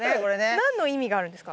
何の意味があるんですか？